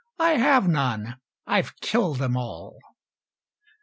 "I have none. I've killed them all."